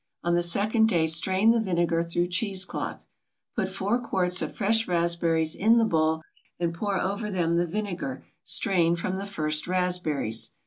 On the second day strain the vinegar through cheese cloth. Put 4 quarts of fresh raspberries in the bowl and pour over them the vinegar strained from the first raspberries.